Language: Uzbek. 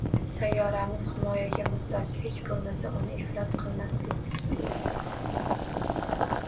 Sayyoramiz himoyaga muhtoj. Hech bo‘lmasa uni iflos qilmaslik.